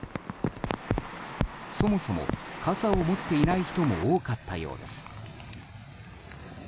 そもそも傘を持っていない人も多かったようです。